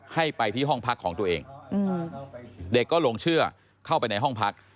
ให้ไปที่ห้องพักของตัวเองเด็กก็หลงเชื่อเข้าไปในห้องพัก